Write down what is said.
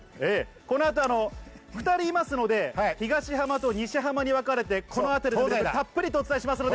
２人いますので東浜と西浜にわかれて、この後たっぷりとお伝えします。